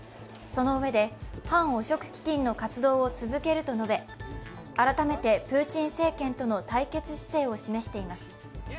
そのうえで反汚職基金の活動を続けると述べ改めてプーチン政権との対決姿勢を示しています。